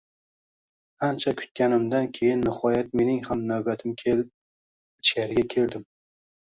Ancha kutganimdan keyin nihoyat mening ham navbatim kelib, ichkariga kirdim